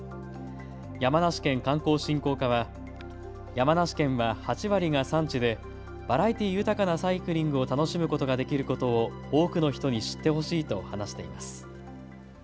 山梨県観光振興課は山梨県は８割が山地でバラエティー豊かなサイクリングを楽しむことができることを多くの人に知ってほしいと話しています。